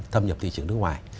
thâm nhập thị trường nước ngoài